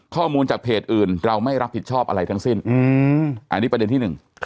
ข้อมูลจากเพจอื่นเราไม่รับผิดชอบอะไรทั้งสิ้นอันนี้ประเด็นที่หนึ่ง